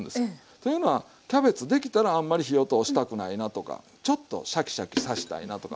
というのはキャベツできたらあんまり火を通したくないなとかちょっとシャキシャキさしたいなとか。